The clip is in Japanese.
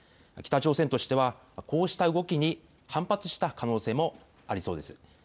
北朝鮮としては、こうした動きに反発した可能性もありそうです。